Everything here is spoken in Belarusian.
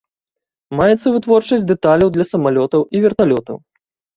Маецца вытворчасць дэталяў для самалётаў і верталётаў.